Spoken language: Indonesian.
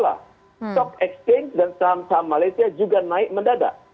stock exchange dan saham saham malaysia juga naik mendadak